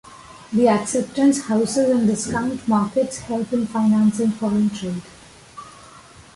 The acceptance houses and discount markets help in financing foreign trade.